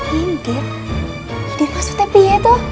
nyindir nyindir maksudnya pia tuh